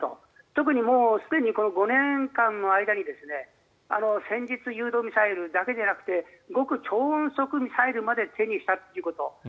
特にもうすでにこの５年間の間に戦術誘導ミサイルだけでなく極超音速ミサイルまで手にしたということ。